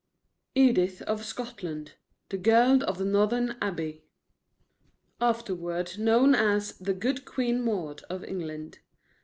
EDITH OF SCOTLAND.: THE GIRL OF THE NORMAN ABBEY. (Afterward known as the "Good Queen Maud" of England.)